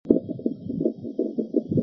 它们能在任何时间繁殖。